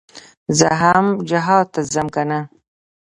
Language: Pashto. زه هم جهاد ته ځم كنه.